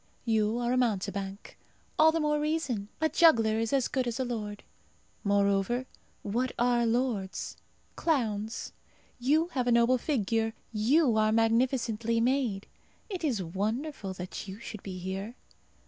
You are a mountebank. All the more reason. A juggler is as good as a lord. Moreover, what are lords? Clowns. You have a noble figure; you are magnificently made. It is wonderful that you should be here.